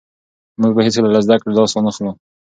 موږ به هېڅکله له زده کړې لاس ونه اخلو.